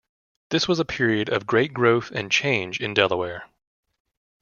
This was a period of great growth and change in Delaware.